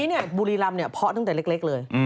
นี่บุรีรำเนี่ยเพาะตั้งแต่เล็กเลย